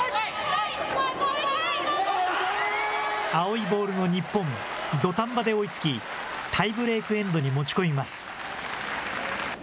青いボールの日本、土壇場で追いつき、タイブレーク・エンドに持ち込みます。